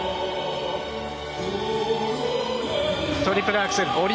トリプルアクセル。